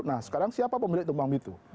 nah sekarang siapa pemilik tumpang itu